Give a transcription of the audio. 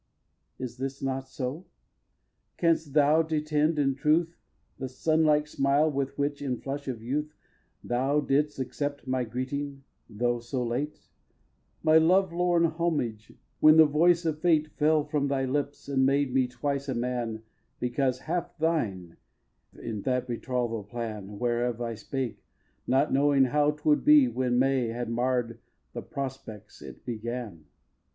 viii. Is this not so? Canst thou detend, in truth, The sunlike smile with which, in flush of youth, Thou didst accept my greeting, though so late, My love lorn homage when the voice of Fate Fell from thy lips, and made me twice a man Because half thine, in that betrothal plan Whereof I spake, not knowing how 'twould be When May had marr'd the prospects it began?